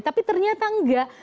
tapi ternyata enggak